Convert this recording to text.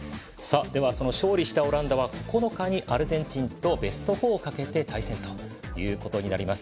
勝利したオランダは９日にアルゼンチンとベスト４をかけての戦いとなります。